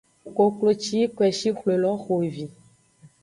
Koklo ci yi koeshi xwle lo xo evi.